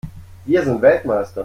Wir sind Weltmeister!